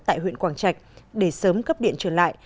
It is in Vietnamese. tại huyện quảng trạch để sớm cấp điện trở lại